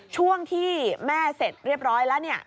ช่วงที่แม่เสร็จเรียบร้อยแล้วเนี่ย